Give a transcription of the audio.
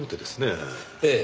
ええ。